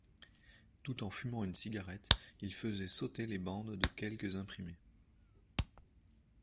Tout en fumant une cigarette, il faisait sauter les bandes de quelques imprimés.